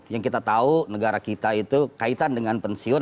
yang kita tahu negara kita itu kaitan dengan pensiun